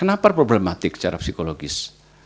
karena ini sangat problematik secara psikologis